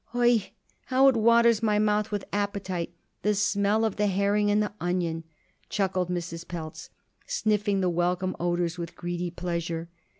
"Oi! how it waters my mouth with appetite, the smell of the herring and onion!" chuckled Mrs. Pelz, sniffing the welcome odors with greedy pleasure.